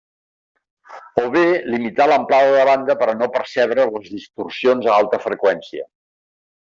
O bé, limitar l'amplada de banda per a no percebre les distorsions a alta freqüència.